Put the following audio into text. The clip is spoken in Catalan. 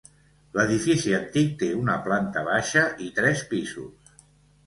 L'edifici antic té una planta baixa i tres pisos.